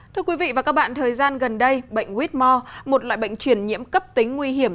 thưa quý vị và các bạn thời gian gần đây bệnh whore một loại bệnh truyền nhiễm cấp tính nguy hiểm